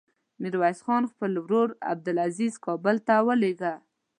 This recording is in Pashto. ميرويس خان خپل ورور عبدلعزير کابل ته ولېږه.